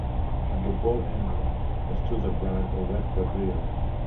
At The ball Henry must choose a bride or wed Gabriella.